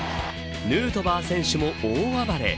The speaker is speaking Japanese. ヌートバー選手も大暴れ。